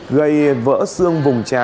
gây vỡ xương vùng trái